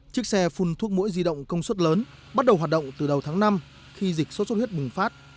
chiếc xe phun thuốc mũi di động công suất lớn bắt đầu hoạt động từ đầu tháng năm khi dịch sốt xuất huyết bùng phát